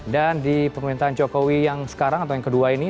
dan di pemerintahan jokowi yang sekarang atau yang kedua ini